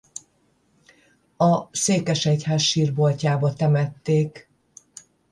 A székesegyház sírboltjába temették.